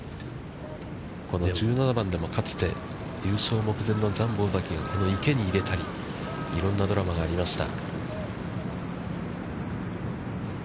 この１７番でも、かつて優勝目前のジャンボ尾崎が池に入れたり、いろんなドラマがありました。